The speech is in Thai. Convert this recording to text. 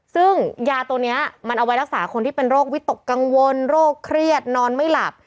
ซึ่งยาตัวนี้มันเอาไว้รักษาคนที่เป็นโรควิตกกังวลโรคเครียดนอนไม่หลับ